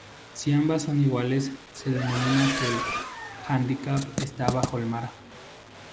Si ambas son iguales, se denomina que el hándicap está bajo par.